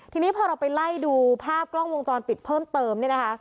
ทีนี้พอเราไปไล่ดูภาพกล้องวงจรปิดเพิ่มเติมเนี่ยนะคะ